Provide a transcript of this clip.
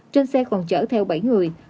trên xe còn chở theo bảy người